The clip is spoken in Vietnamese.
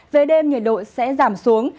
dưới đêm nhiệt độ sẽ giảm xuống